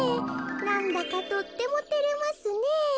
なんだかとってもてれますねえ」。